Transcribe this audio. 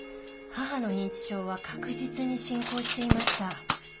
母の認知症は確実に進行していました。